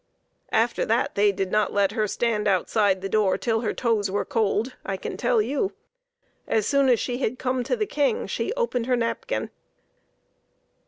After that they did not let her stand outside the door till her toes were cold, I can tell you. As soon as she had come to the King she opened her napkin.